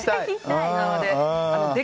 沖縄で。